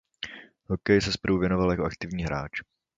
Hokeji se zprvu věnoval jako aktivní hráč.